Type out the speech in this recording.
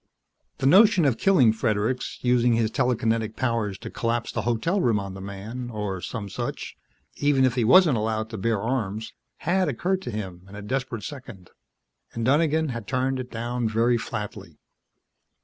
The notion of killing Fredericks using his telekinetic powers to collapse the hotel room on the man, or some such, even if he wasn't allowed to bear arms had occurred to him in a desperate second, and Donegan had turned it down very flatly.